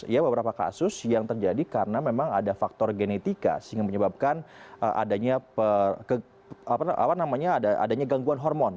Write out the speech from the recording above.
ya beberapa kasus yang terjadi karena memang ada faktor genetika sehingga menyebabkan adanya gangguan hormon